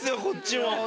こっちも。